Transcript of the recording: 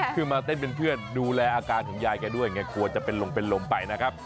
คือมาเต้นเป็นเพื่อนดูแลอาการของยายแกด้วยไงกลัวจะเป็นลมเป็นลมไปนะครับ